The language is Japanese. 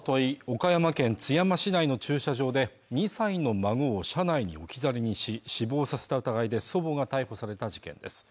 岡山県津山市内の駐車場で２歳の孫を車内に置き去りにし死亡させた疑いで祖母が逮捕された事件です